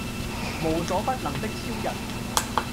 無所不能的超人